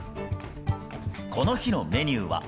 この日のメニューは。